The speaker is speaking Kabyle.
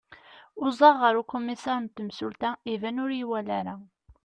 uẓaɣ ɣer ukumisar n temsulta iban ur iyi-iwali ara